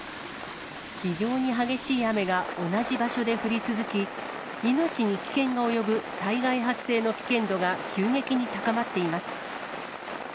非常に激しい雨が同じ場所で降り続き、命に危険の及ぶ災害発生の危険度が急激に高まっています。